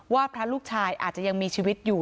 พระลูกชายอาจจะยังมีชีวิตอยู่